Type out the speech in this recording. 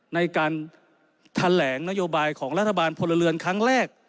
ในการแถลงนโยบายของรัฐบาลพลเรือนครั้งแรก